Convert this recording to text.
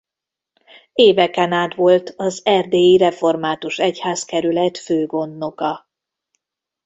Éveken át volt az Erdélyi Református Egyházkerület főgondnoka.